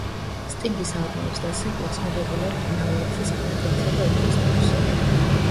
სტინგის ალბომებს და სინგლებს მიღებული აქვთ მრავალგზის პლატინის და ოქროს სტატუსები.